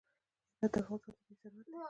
هرات د افغانستان طبعي ثروت دی.